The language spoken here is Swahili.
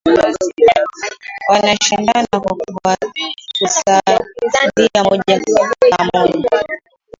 wanashindana kwa kaaslimia kamoja